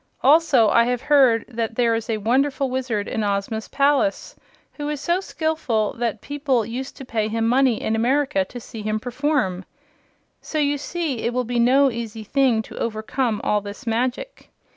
Also I have heard that there is a wonderful Wizard in Ozma's palace, who is so skillful that people used to pay him money in America to see him perform. So you see it will be no easy thing to overcome all this magic."